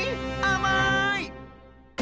あまい！